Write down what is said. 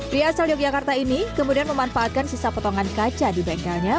pria asal yogyakarta ini kemudian memanfaatkan sisa potongan kaca di bengkelnya